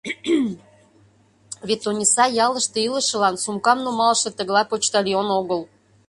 Вет Ониса ялыште илышылан сумкам нумалше тыглай почтальон огыл.